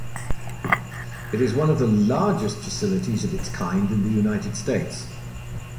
It is one of the largest facilities of its kind in the United States.